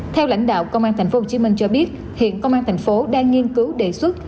theo lãnh đạo công an thành phố hồ chí minh cho biết hiện công an thành phố đang nghiên cứu đề xuất